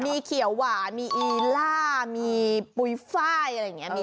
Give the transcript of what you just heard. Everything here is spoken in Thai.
มีเขียวหวานมีอีล่ามีปูยฟ่ายอะไรเงี่ย